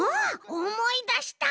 おもいだした。